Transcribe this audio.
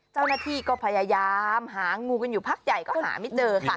เจ้าหน้าที่ก็พยายามหางูกันอยู่พักใหญ่ก็หาไม่เจอค่ะ